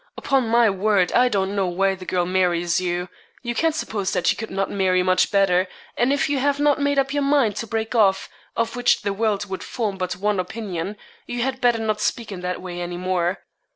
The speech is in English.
Upon my word, I don't know why the girl marries you; you can't suppose that she could not marry much better, and if you have not made up your mind to break off, of which the world would form but one opinion, you had better not speak in that way any more.'